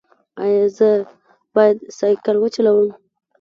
ایا زه باید سایکل وچلوم؟